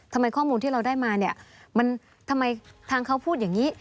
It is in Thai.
ข้อมูลที่เราได้มาเนี่ยมันทำไมทางเขาพูดอย่างนี้